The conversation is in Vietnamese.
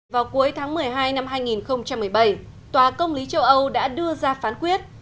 vào cuối tháng một mươi hai năm hai nghìn một mươi bảy tòa công lý châu âu đã đưa ra phán quyết